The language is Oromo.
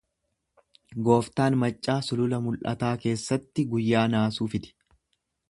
Gooftaan maccaa Sulula Mul’ataa keessatti guyyaa naasuu fidi.